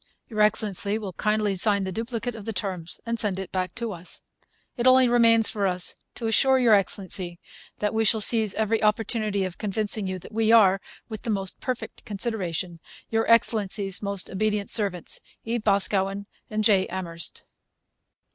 Your Excellency will kindly sign the duplicate of the terms and send it back to us. It only remains for us to assure Your Excellency that we shall seize every opportunity of convincing you that we are, with the most perfect consideration, Your Excellency's most Obedient Servants, E. BOSCAWEN. J. AMHERST.